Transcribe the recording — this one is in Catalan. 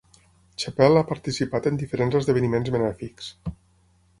Chappelle ha participat en diferents esdeveniments benèfics.